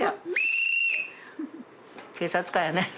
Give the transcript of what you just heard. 警察官やね。